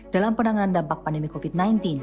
dalam penanganan dampak pandemi covid sembilan belas